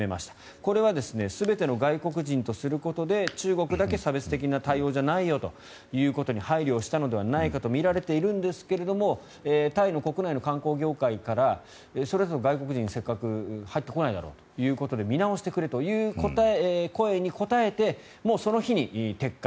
これは全ての外国人とすることで中国だけ差別的な対応じゃないよということに配慮をしたのではないかとみられているんですがタイの国内の観光業界からそれだと外国人が入ってこないだろうということで見直してくれという声に応えてもうその日に撤回。